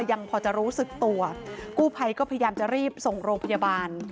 ยังพอจะรู้สึกตัวกู้ภัยก็พยายามจะรีบส่งโรงพยาบาล